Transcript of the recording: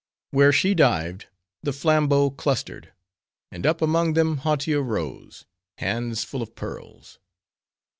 Where she dived, the flambeaux clustered; and up among them, Hautia rose; hands, full of pearls.